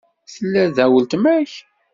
Tella da weltma-k?